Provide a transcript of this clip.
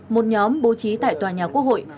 một nhóm bố trí tại tòa nhà quốc hội